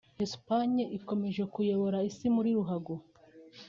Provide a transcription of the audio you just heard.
Espagne ikomeje kuyobora isi muri ruhago